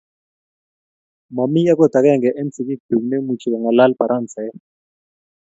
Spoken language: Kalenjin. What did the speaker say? Mami akot akenge eng' sigikchul neimuchi kong'alal Paransaek.